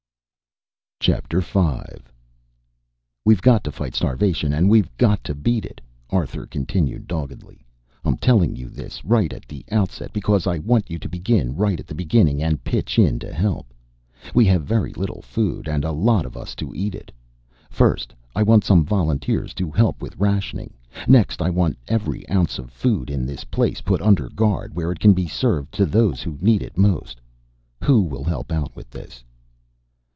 V. "We've got to fight starvation, and we've got to beat it," Arthur continued doggedly. "I'm telling you this right at the outset, because I want you to begin right at the beginning and pitch in to help. We have very little food and a lot of us to eat it. First, I want some volunteers to help with rationing. Next, I want every ounce of food, in this place put under guard where it can be served to those who need it most. Who will help out with this?"